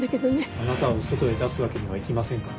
あなたを外へ出すわけにはいきませんから。